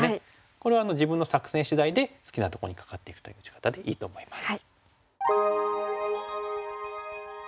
これは自分の作戦しだいで好きなとこにカカっていくという打ち方でいいと思います。